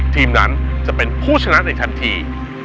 ทีมนั้นจะเป็นผู้ชนะในทันที